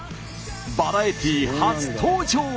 バラエティー初登場！